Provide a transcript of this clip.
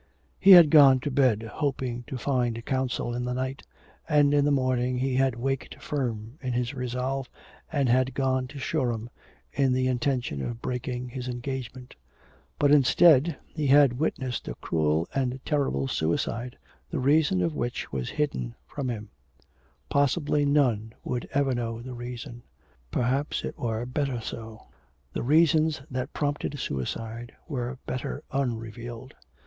He had gone to bed hoping to find counsel in the night, and in the morning he had waked firm in his resolve, and had gone to Shoreham in the intention of breaking his engagement. But instead he had witnessed a cruel and terrible suicide, the reason of which was hidden from him. Possibly none would ever know the reason. Perhaps it were better so; the reasons that prompted suicide were better unrevealed....